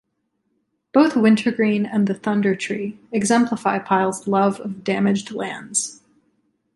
Both "Wintergreen" and "The Thunder Tree" exemplify Pyle's love of damaged lands.